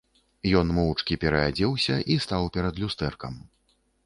Ён моўчкі пераадзеўся і стаў перад люстэркам.